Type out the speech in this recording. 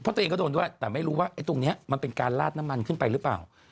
เพราะตัวเองก็โดนด้วยแต่ไม่รู้ว่าไอ้ตรงนี้มันเป็นการลาดน้ำมันขึ้นไปหรือเปล่า